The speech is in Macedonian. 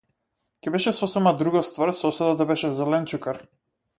Ќе беше сосема друга ствар соседот да беше - зеленчукар.